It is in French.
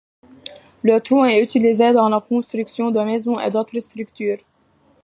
Le tronc est utilisé dans la construction de maisons et d'autres structures.